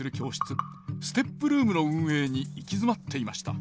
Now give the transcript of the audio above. ＳＴＥＰルームの運営に行き詰まっていました。